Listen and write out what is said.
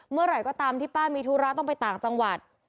เมื่อไหร่ก็ตามที่ป้ามีธุระต้องไปต่างจังหวัด